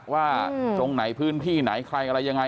ตรงไหนพื้นที่ไหนใครอะไรยังไง